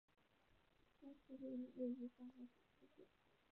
当时这里位于上海法租界。